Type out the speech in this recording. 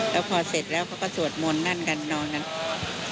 และพอเสร็จเขาก็สวดมนต์นั่นกันนอกจากนั้น